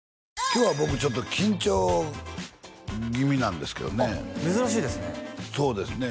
今日は僕ちょっと緊張気味なんですけどねあっ珍しいですね